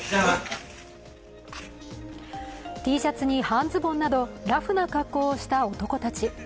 Ｔシャツに半ズボンなどラフな格好をした男たち。